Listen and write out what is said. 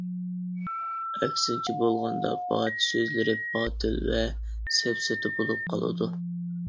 ئەكسىنچە بولغاندا، بارچە سۆزلىرى باتىل ۋە سەپسەتە بولۇپ قالىدۇ.